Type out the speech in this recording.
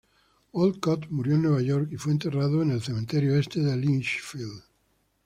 Wolcott murió en Nueva York y fue enterrado en el Cementerio Este de Litchfield.